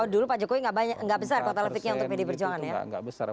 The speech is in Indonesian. dulu pak jokowi nggak besar kotel efeknya untuk pdi perjuangan ya